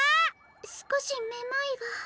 すこしめまいが。